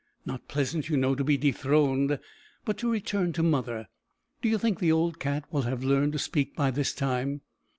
Not pleasant you know, to be dethroned. But to return to mother. D'you think the old cat will have learned to speak by this time?"